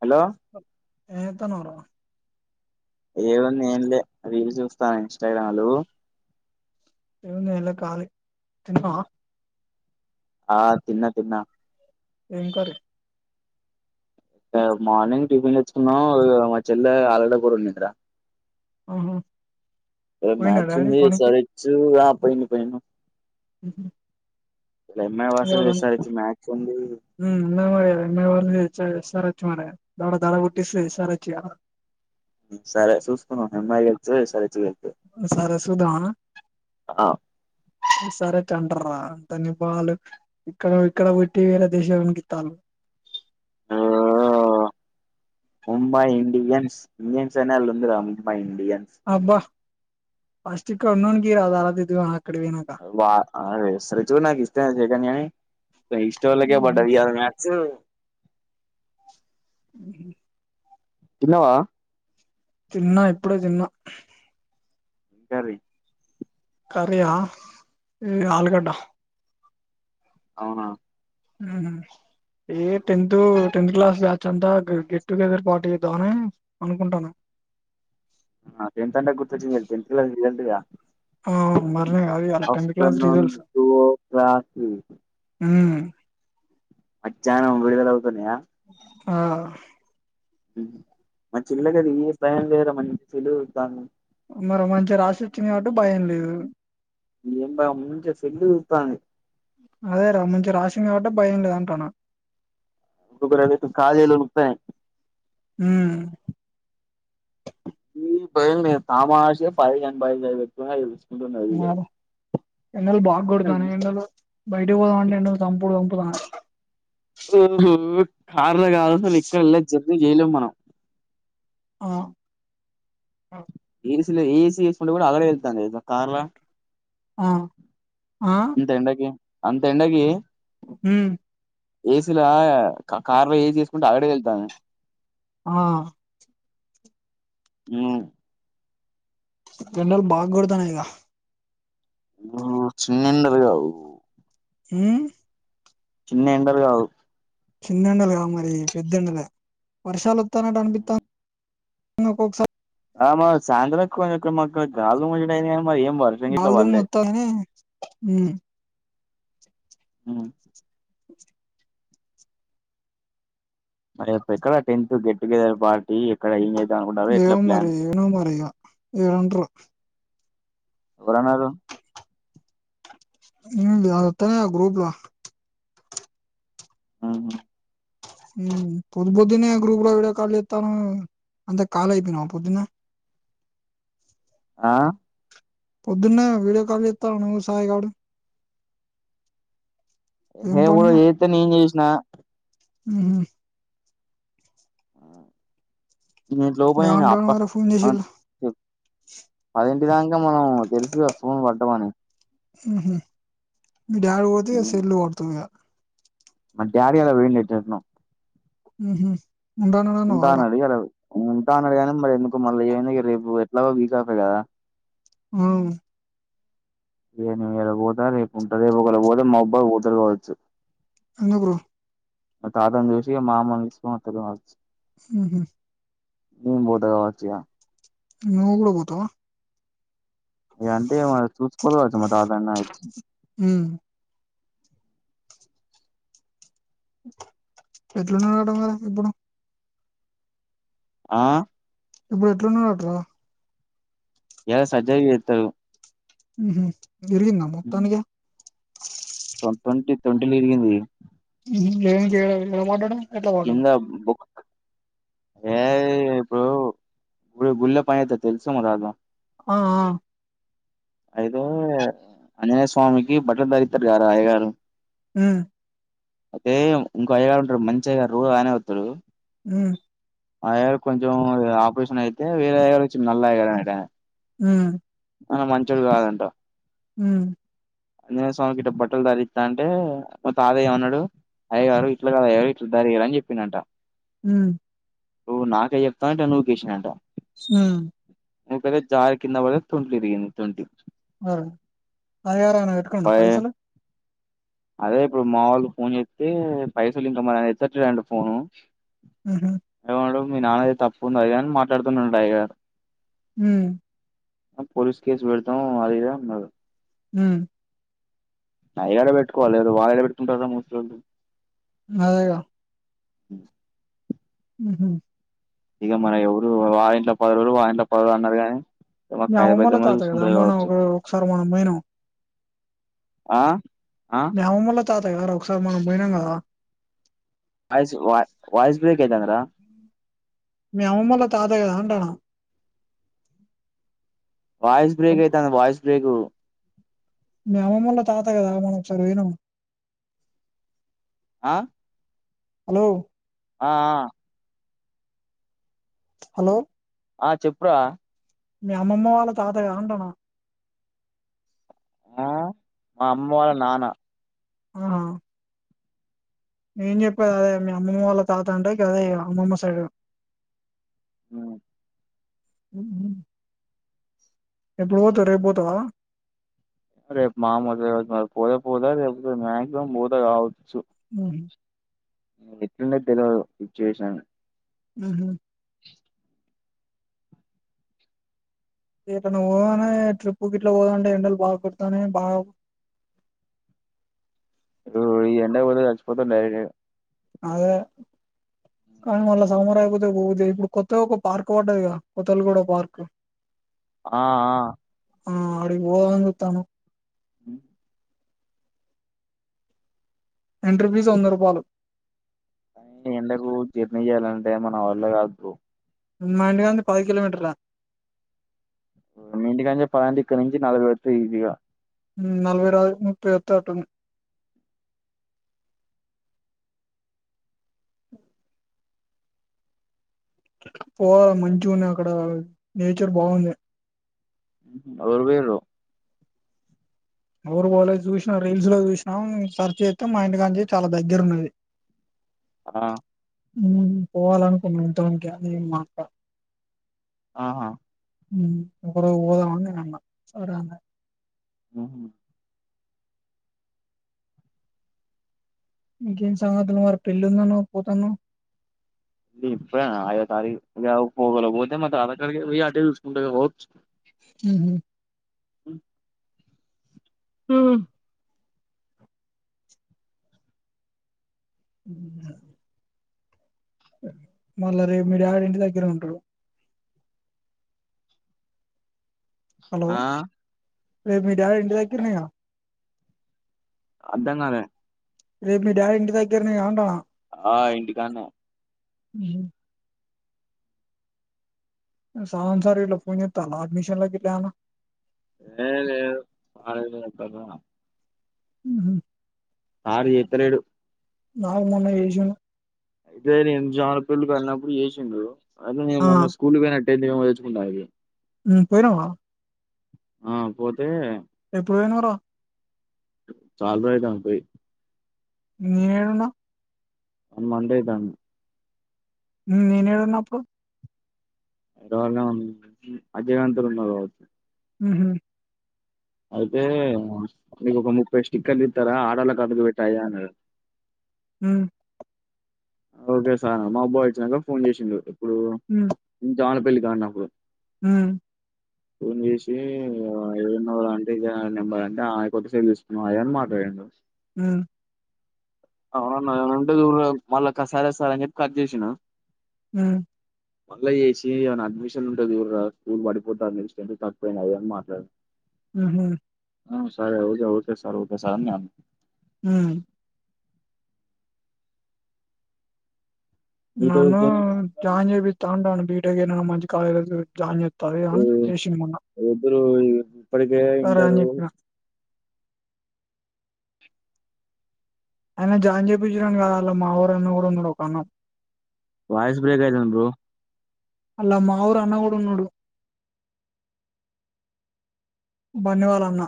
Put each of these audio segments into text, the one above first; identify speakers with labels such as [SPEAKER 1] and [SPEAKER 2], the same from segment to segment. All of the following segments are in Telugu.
[SPEAKER 1] హలో
[SPEAKER 2] ఏ చేత్తన్నావు రా
[SPEAKER 1] ఏం ఉంది ఏం లే రీల్స్ చూస్తానా ఇంస్టాగ్రామ్లా నువ్వు
[SPEAKER 2] ఏముంది ఏంలే ఖాళీ తిన్నావా
[SPEAKER 1] ఆ తిన్న తిన్న
[SPEAKER 2] ఏం కర్రీ
[SPEAKER 1] ఏ మార్నింగ్ టిఫిన్ తెచ్చుకున్నాం ఇగ మా చెల్లె ఆలుగడ్డ కూర వడింది రా
[SPEAKER 2] అవునా
[SPEAKER 1] రేపు మ్యాచ్ ఉంది ఎస్ ఆర్ హెచ్ ఆ పోయిన పోయిన
[SPEAKER 2] ఉహు
[SPEAKER 1] ఇయాల MI versus S R H match ఉంది
[SPEAKER 2] ఎన్న మయా ఎన్న వా ఇటు సైడు ఎస్ ఆర్ హెచ్ మనదే ఈయాల దడ పుట్టిస్తది ఎస్ఆర్ హెచ్ ఈయాల
[SPEAKER 1] సరే చూసుకుందాం ఎమ్ఐ గెలుస్తదో ఎస్ ఆర్ హెచ్ గెలు
[SPEAKER 2] ఆ సరే సుద్దామా
[SPEAKER 1] ఆ
[SPEAKER 2] సరే ఏంట అంటారు రా దాని బాలు ఇక్కడ ఇక్కడ కోట్టి వేరే దేశానికి ఈత్తాలు
[SPEAKER 1] ఆ, ముంబై ఇండియన్స్ ఇండియన్స్ అని అలా ఉంది రా ఎమ్ఐ
[SPEAKER 2] అబ్బా ఫస్ట్ ఇక్కడ ఉన్నానోనికి ఈయరాదు అది ఇది గా
[SPEAKER 1] వా అరే శ్రీ చూ నాకి ఇస్తే శ్రీ కన్య నీ దా ఇస్ట్ వెల్కే
[SPEAKER 2] ఉహు
[SPEAKER 1] బడ్డది గా మ్యాచ్
[SPEAKER 2] యంగ్ యంగ్ గే
[SPEAKER 1] తిన్నవా
[SPEAKER 2] తిన్నా ఇప్పుడే తిన్నా
[SPEAKER 1] కర్రీ
[SPEAKER 2] కర్రీ హ ఏ ఆలుగడ్డ
[SPEAKER 1] అవునా
[SPEAKER 2] ఉహు ఏ టెన్త్ టెన్త్ క్లాస్ బ్యాచ్ అంతా గెట్ టుగెదర్ పార్టీ చేద్దామని అనుకుంటానా
[SPEAKER 1] ఆ టెన్త్ అంటే గుర్తువచ్చింది ఇయాల టెన్త్ క్లాస్ రిజల్ట్ గా
[SPEAKER 2] ఆ మనయ్ కాదు గదా అలా tenth class
[SPEAKER 1] afternoon
[SPEAKER 2] results
[SPEAKER 1] two o'clock కి
[SPEAKER 2] ఉ
[SPEAKER 1] మధ్యాహ్నం విడుదల అవుతున్నాయా
[SPEAKER 2] ఆ
[SPEAKER 1] ఉహు మా చెల్లె గానీ స్టాండెడ్ మంచి గా ఉంటంది
[SPEAKER 2] మరో మంచిగా రాసి వచ్చింది కాబట్టి భయం లేదు
[SPEAKER 1] ఎం భయం మంచిగా సెల్ చూతంది
[SPEAKER 2] అదేరా మంచిగా రాసింది కాబట్టి భయం లేదు అంటనా
[SPEAKER 1] ఒకఒకరు అయితే కాళ్ళు చేతులు వణుకుతాయి
[SPEAKER 2] హ్మ్
[SPEAKER 1] ఈ భయ తామాష [unintelligible]
[SPEAKER 2] అ ఎండలు బాగా కొడతన్నాయి ఎండలు బయటీకి పోదాం అంటే ఎండలు సంపుడూ సంపుతునాయి
[SPEAKER 1] కార్లో కాదు అసలు ఇక్కడలా జర్నీ చేయలేం మనం
[SPEAKER 2] ఆ
[SPEAKER 1] ఏసీలో ఏసీ ఎసుకుంటే కూడా అలాడు వెళ్తున్నాయి కార్లా
[SPEAKER 2] ఆ ఆ
[SPEAKER 1] అంత ఎండకి అంత ఎండకి
[SPEAKER 2] ఉమ్
[SPEAKER 1] ఏసీల క కార్లో ఏసీ చేసుకుంటూ ఆగడు వెళ్తుంది
[SPEAKER 2] ఆ
[SPEAKER 1] ఆ
[SPEAKER 2] ఎండలు బాగా కొడతన్నాయిగా
[SPEAKER 1] ఆ చిన్న ఎండలు కావు
[SPEAKER 2] ఉ
[SPEAKER 1] చిన్న ఎండలు కావు
[SPEAKER 2] చిన్నెండలుగా మరి ఈ ఈ పెద్దెండలే వర్షాలు వస్తానట్టు అనిపితా నోక్కోసారి
[SPEAKER 1] ఆ మా సాంద్రం కొ ఒకక్కడ మాకు గాలి దుమ్ము గింట అయింది గాని
[SPEAKER 2] గారి దుమ్ము అత్తంది ఉమ్
[SPEAKER 1] ఉమ్ మే పే ఎక్కడ టెన్త్ గెట్ టుగెదర్ పార్టీ ఎక్కడ ఏ
[SPEAKER 2] ఏమో మరి ఏమో మరి ఇగ ఏమంటారో
[SPEAKER 1] ఎవరన్నారు
[SPEAKER 2] ఉమ్ వాడొత్తాడు కదా గ్రూప్లో
[SPEAKER 1] ఉహూ
[SPEAKER 2] ఉమ్ పొద్దు పొద్దున్నే గ్రూపులో వీడియో కాల్ చేతన్నావ్ నువ్వు అంత కాలే అక్కినవా పొద్దున్న
[SPEAKER 1] ఆ
[SPEAKER 2] పొద్దున్నే వీడియో కాల్ చేతల్లు నువ్వు సాయి గాడు ఏం
[SPEAKER 1] ఎవరో చెత్తే నేను చేసిన
[SPEAKER 2] ఉహూ
[SPEAKER 1] నేను ఇట్లా ఓపెన్
[SPEAKER 2] ఏమంటాండు మరి ఫోన్ చేసిళ్ళు
[SPEAKER 1] చేసిన [inaudible] పది [unintelligible] మనం తెలుసుగా ఫోన్ పడ్డమని
[SPEAKER 2] ఉహూ మీ డాడీ పోతే ఇక సెల్లు కొడతారు ఇగ
[SPEAKER 1] మా డాడీ ఇయాల పోయిండు అటేటునో.
[SPEAKER 2] ఉహూ ఉండా అన్నాడు అన్నావు కదారా
[SPEAKER 1] అన్నాడు ఇయాల ఉంటా అన్నాడు కాగానీ మరి ఎందుకు మళ్ళీ ఏమైంది రేపు ఎట్లాగో వీక్ అవుపోయి కదా
[SPEAKER 2] అవును
[SPEAKER 1] ఇగ నేను పోతా రేపు ఉంటా రేపు ఒకళ్ళ పోతా మోబాద్ పోతరు కావచ్చు
[SPEAKER 2] ఎందుకురో
[SPEAKER 1] మా తాతని చూసి మా అమ్మని తీసుకొని అస్తారు కావచ్చు
[SPEAKER 2] ఉహూ
[SPEAKER 1] నేను పోతగావచ్చుఇగ
[SPEAKER 2] నువ్వు కూడా పోతావా
[SPEAKER 1] ఇగ అంతే ఏమో చూసుకోవచ్చు మా తాత నైచ్
[SPEAKER 2] ఉమ్ ఎట్లున్నడట మరి ఇప్పుడు
[SPEAKER 1] ఆ
[SPEAKER 2] ఇప్పుడు ఎట్లున్నాడటరా
[SPEAKER 1] ఇక సర్జరీ చెత్తారు
[SPEAKER 2] తిరిగిందా మొత్తానికి.
[SPEAKER 1] ఓ ట్వంటీ ట్వంటీలా ఇరిగింది.
[SPEAKER 2] ఏం చేయాలి ఏమంటాడు.
[SPEAKER 1] కింద బుక్. ఏ ఇప్పుడు ఇప్పుడు గుళ్ళ పని చేస్తాడు తెలుసు మా తాత.
[SPEAKER 2] ఆ ఆ.
[SPEAKER 1] అయితే ఆంజనేయ స్వామికి బట్టలు దరిత్తారు కదరా అయ్యగారు.
[SPEAKER 2] ఆ.
[SPEAKER 1] అంటే ఇంకో అయ్యగారు ఉంటాడు మంచిగా అయ్యగారు రోజు ఆయనే వత్తడు.
[SPEAKER 2] ఆ.
[SPEAKER 1] ఆ అయ్యగారు కొంచెం ఇగ ఆపరేషన్ అయతే వేరే అయ్యగారు వచ్చిండు నల్లయ్య గారు అనే టైనే.
[SPEAKER 2] ఆ.
[SPEAKER 1] అయినా మంచోడు కాదంట.
[SPEAKER 2] ఆ.
[SPEAKER 1] ఆంజనేయ స్వామికి గిట్ట బట్టలు ధారిస్తాంటే మా తాతయ్యమన్నాడు. అయ్యగారు ఇట్లా కదా అయ్యగారు ఇట్లా ధరియండి అని చెప్పిందంట.
[SPEAKER 2] ఆ.
[SPEAKER 1] నువ్వు నాకే చెప్తావ్ అని ఇట్లా నూకేషిండంట.
[SPEAKER 2] ఆ.
[SPEAKER 1] నుకేతే చారి కింద పడితే తొంటి ఇరిగిందంట తొంటి.
[SPEAKER 2] ఆ అయ్యగారు ఏమన్నా పెట్టుకున్నాడా పైసలు.
[SPEAKER 1] అదే ఇప్పుడు మా వాళ్ళక్ ఫోన్ చేస్తే పైసలు ఇంక మయ్ ఎత్తట్లేదంట ఫోను.
[SPEAKER 2] ఆహ.
[SPEAKER 1] ఏమన్నాడు మీ నాన్నది తప్పు ఉన్నది గా అని మాట్లాడుతున్నాడంట అయ్యగారు.
[SPEAKER 2] హుమ్.
[SPEAKER 1] పోలీస్ కేసు పెడతాం అది ఇది అని అంటున్నారు.
[SPEAKER 2] అ.
[SPEAKER 1] అయ్యగారే పెట్టుకోవాలె లేకుంటే వాడేడ పెట్టుకుంటాడు ముసలోడు.
[SPEAKER 2] అదేగా.
[SPEAKER 1] అ
[SPEAKER 2] ఉహు.
[SPEAKER 1] ఇంక మన ఎవరు వాని ఇంట్లో పది రోజులు వాళ్ళ ఇంట్లో పది రోజులు అన్నారు గాని. మా
[SPEAKER 2] మీ
[SPEAKER 1] కైద
[SPEAKER 2] అమ్మమ్మ
[SPEAKER 1] పెద్దమ్మ
[SPEAKER 2] తాత కదా
[SPEAKER 1] చూసుకుంటది
[SPEAKER 2] మనం
[SPEAKER 1] కావచ్చు
[SPEAKER 2] ఒక్క ఒకసారి పోయినం.
[SPEAKER 1] ఆ.
[SPEAKER 2] తాతగాదర ఒకసారి మనం పోయినాం కదా.
[SPEAKER 1] వాయిస్ వా వాయిస్ బ్రేక్ అయితందిరా
[SPEAKER 2] మీ అమ్మమ్మ వాళ్ళ తాత కదా అంటాన.
[SPEAKER 1] వాయిస్ బేక్ అయితాంది వాయిస్ బ్రేక్.
[SPEAKER 2] మీ అమ్మమ్మళ తాత కదా మనం ఒకసారి పోయినాము.
[SPEAKER 1] ఆ.
[SPEAKER 2] హలో.
[SPEAKER 1] ఆ ఆ.
[SPEAKER 2] హలో.
[SPEAKER 1] ఆ చెప్పురా.
[SPEAKER 2] మీ అమ్మమ్మ వాళ్ళ తాతగా అంటనా.
[SPEAKER 1] ఆ మా అమ్మ వాళ్ళ నాన్న.
[SPEAKER 2] ఆ. నేను చెప్పేది అదే మీ అమ్మమ్మ వాళ్ళ తాత అంటే గదే ఇగ అమ్మమ్మ సైడ్.
[SPEAKER 1] ఆ.
[SPEAKER 2] హూమ్. ఎప్పుడు పోతావ్ రేపుపోతావా
[SPEAKER 1] ేపు మామలు పోదా పోదాే మక్సిమం పోదాక
[SPEAKER 2] ఉ
[SPEAKER 1] ఎటేండే తెల్వదు సిచ్యువేషన్
[SPEAKER 2] ఉహ ఇలా ను్వు పోదనే ట్రిప్పు ఇట్లా పోదాంటే ఎండలు బాగా కుడతాని బాగా
[SPEAKER 1] ఈ ఎండ పో కలిచ్చిపోతేండ
[SPEAKER 2] అదే అ సౌము పోతే పోతే ఇప్పుడు కొత్తగా ఒక పార్క్ పడ్డది కొత్తలు కూడా పార్క్
[SPEAKER 1] ఆ ఆ
[SPEAKER 2] ఆ ఆడికి పోవాలని చూత్తన్నాం
[SPEAKER 1] ఉ
[SPEAKER 2] ఎంట్రీ ఫీజు వంద రూపాయలు
[SPEAKER 1] ఎండకు జర్నీ చేయ్యాలంటే మన వాళ్ళ కాదు బ్రో
[SPEAKER 2] మా ఇంటి కానుంది పది కిలోమీటర్ లా
[SPEAKER 1] మీ ఇంటి కాంచి పదంటే ఇక్కడి నుంచి నలభై పడతాది ఇదిగా
[SPEAKER 2] నలభై రాదు ముప్పై వత్తది అటున్న పోవాల మంచిగా ఉంది అక్కడ నేచర్ బాగుంది
[SPEAKER 1] అవి వేరు
[SPEAKER 2] ఎవరు పోలే చూసినా రీల్స్ లో చూసినా సర్చ్ చెత్తే మా ఇంటి కాంచి చాలా దగ్గర ఉన్నది
[SPEAKER 1] ఆ
[SPEAKER 2] ఉమ్ పోవాలనుకున్న టౌన్ కి నీ మాట
[SPEAKER 1] ఆహా
[SPEAKER 2] ఉ నువ్వు కూడా పోదాం అని నేను అన్నా సరే అన్నది
[SPEAKER 1] ఉహు
[SPEAKER 2] ఇంకేం సంగతులు మరి పెళ్ళి ఉందాన్నావు పోతాన్నావు
[SPEAKER 1] ఇ ఇప్పుడే కాదు ఐదో తారీకు పోల పోతే మా తాత కాడికి పోయి అటే చూసుకుంటూ పోవచ్చు
[SPEAKER 2] ఉహు
[SPEAKER 1] ఉ ఉ
[SPEAKER 2] ఉ మళ్ళా రేపు మీ డాడీ ఏంటి దగ్గర ఉంటాడు హలో
[SPEAKER 1] ఆ
[SPEAKER 2] రేపు మీ డాడీ ఇంటి దగ్గరనే కదా
[SPEAKER 1] అద్దంకాలే
[SPEAKER 2] రేపు మీ డాడి ఇంటి దగ్గరనే కదా అంటున్న
[SPEAKER 1] ఆ ఇంటికాన్నే
[SPEAKER 2] ఉహు సాన్సారిలో ఫోన్ చెత్తన్నా అడ్మిషన్లకి ఇట్లానా
[SPEAKER 1] ఏ లేదు కాలేజ్ లో రేపు పొద్దున
[SPEAKER 2] ఉహు
[SPEAKER 1] ఆరు ఎత్తలేడు
[SPEAKER 2] నాకు మోన్న చేసిండు
[SPEAKER 1] అయితే నేను జాంపెళ్లికి వెళ్ళినప్పుడు చేసిండు అయితే నేను
[SPEAKER 2] ఆ
[SPEAKER 1] మొన్న స్కూల్ పోయినట్ పెళ్లి ఏమో తెచ్చుకుంటాది
[SPEAKER 2] ఉ పోయినావా
[SPEAKER 1] ఆ పోతే
[SPEAKER 2] పోయినారా
[SPEAKER 1] చాలా రోజులయితాంది పోయి
[SPEAKER 2] నేవేడున్నావ్
[SPEAKER 1] వన్ మంత్ అయితాంది.
[SPEAKER 2] ఉమ్ నేనేడున్న అప్పుడు
[SPEAKER 1] ఐ డోంట్ నో అజయ్ కాంతోని ఉన్నవు కావచ్చు
[SPEAKER 2] ఉహు
[SPEAKER 1] అయితే నీకు ఒక ముప్పై స్టిక్కర్లు ఇత్తార ఆడళ్ళకు అతకు పెట్టయా అయి అన్నడు.
[SPEAKER 2] ఉమ్
[SPEAKER 1] ఓకే సార్ మా అబ్బాయి వచ్చినంక ఫోన్ చేసిండు, ఇప్పుడు జాను పెళ్లి కాడిన్నప్పుడు
[SPEAKER 2] ఉమ్
[SPEAKER 1] ఫోన్ చేసి ఏడున్నవ్ అంటే, ఇదే నా నెంబర్ అంటే, ఆ కొత్త సెల్లు తీసుకున్నవు అది అని అట్లాడిండు.
[SPEAKER 2] ఉమ్
[SPEAKER 1] అవునన్నా ఉంటే జూడరాదు మళ్ళా సరే సార్ అని చెప్పి కట్ చేసిన
[SPEAKER 2] ఉమ్
[SPEAKER 1] మళ్ళా చేసి ఏనా అడ్మిషన్ ఉంటే జూడురా స్కూల్ పడిపోతాంది, స్ట్రెంత్ తక్కుపోయినా అని మాట్లాడిండు.
[SPEAKER 2] ఆహా
[SPEAKER 1] ఆ సరే okay okay sir okay sir అని అన్న
[SPEAKER 2] ఉమ్
[SPEAKER 1] నీతో
[SPEAKER 2] నను
[SPEAKER 1] ఫోన్ చేసి ఏమంటాండు
[SPEAKER 2] జాన జెబితా అంటాండు బీటెక్ ఏదైనా మంచి కాలేజీలో జాన్
[SPEAKER 1] ఈ
[SPEAKER 2] తవయన్ ఏశిన్ మొన్న
[SPEAKER 1] ఇద్దరు ఇప్పటికే
[SPEAKER 2] సరే అని
[SPEAKER 1] ఇంటరు
[SPEAKER 2] చెప్పిన ఆయన జాయిన్ చేపించి నాను కాదాల మా ఊరు అన్నా కూడా ఉన్నాడు ఒక అన్నా.
[SPEAKER 1] వయిస్ బ్రేక్ అయితాంది బ్రో
[SPEAKER 2] అల్ల మాఊరు అన్న గుడ ఉన్నడు. బన్నీ వాళ్ళ అన్న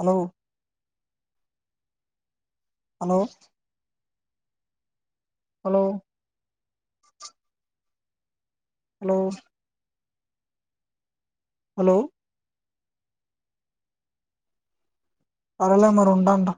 [SPEAKER 2] hello hello hello hello hello సరేలే మరి ఉంటాన్న